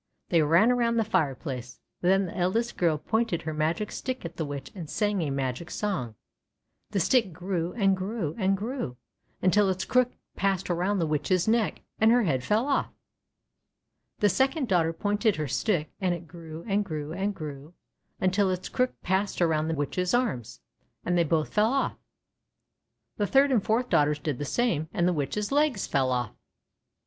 They ran around the fireplace. Then the eldest girl pointed her magic stick at the Witch and sang a magic song. The stick grew, and grew, and grew, until its crook passed around the Witch's neck, and her head fell off. The second daughter pointed her stick, and it grew, and grew, and grew, until its crook passed around the Witch's arms, and they both fell off. The third and fourth daughters did the same, and the Witch's legs fell off.